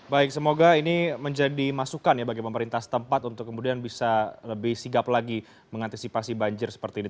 baik semoga ini menjadi masukan ya bagi pemerintah setempat untuk kemudian bisa lebih sigap lagi mengantisipasi banjir seperti ini